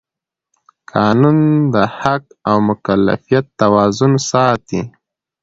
قانون د حق او مکلفیت توازن ساتي.